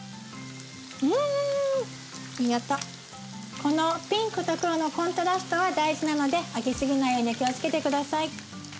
このピンクと黒のコントラストが大事なので揚げすぎないように気をつけて下さい。